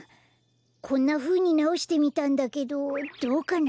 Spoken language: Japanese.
こんなふうになおしてみたんだけどどうかな？